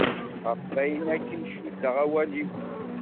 Ɣef ayen aken cuddeɣ awal-iw.